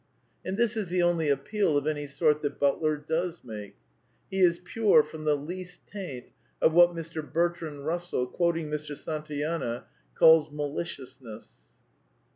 And thia is the only " appeal " of any sort that Butler does make. He is pure from the least taint of what Mr. Bertrand Kussell, quoting Mr. Santayana, calls "maliciousness."